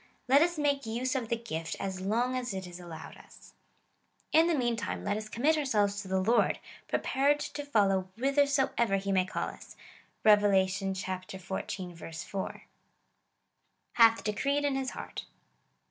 Let us make use of the gift as long as it is allowed us. In the meantime, let us commit ourselves to the Lord, prepared to follow whithersoever he may call us. (Rev. xiv. 4.) Hath decreed in his heart.